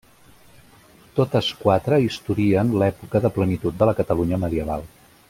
Totes quatre historien l'època de plenitud de la Catalunya medieval.